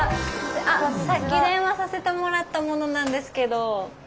さっき電話させてもらった者なんですけど。